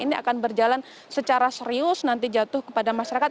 ini akan berjalan secara serius nanti jatuh kepada masyarakat